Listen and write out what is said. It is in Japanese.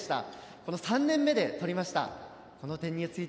この３年目で取りました。